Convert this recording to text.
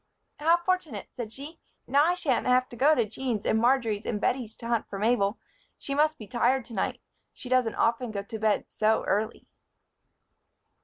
"How fortunate!" said she. "Now I shan't have to go to Jean's and Marjory's and Bettie's to hunt for Mabel. She must be tired to night she doesn't often go to bed so early."